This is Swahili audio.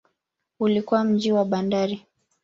Ulikuwa mji wa bandari.